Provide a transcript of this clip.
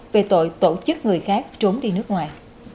về tội tổ chức người khác trốn đi nước ngoài